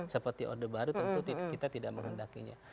seperti orde baru tentu kita tidak menghendakinya